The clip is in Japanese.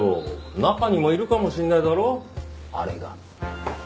中にもいるかもしれないだろあれが。